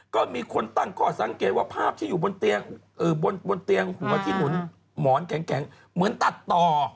ก็มีคนตั้งข้อสังเกตว่าภาพที่อยู่บนเตียงหัวที่หนุนหมอนแข็งเหมือนตัดต่อ